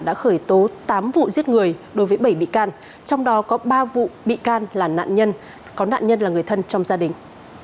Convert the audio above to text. đã khởi tố tám vụ giết người đối với bảy bị can trong đó có ba vụ bị can là nạn nhân có nạn nhân là người thân trong gia đình